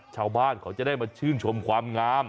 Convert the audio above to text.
ชาวบ้านเขาจะได้มาชื่นชมความงาม